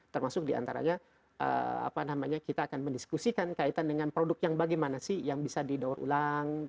termasuk diantaranya kita akan mendiskusikan kaitan dengan produk yang bagaimana sih yang bisa didaur ulang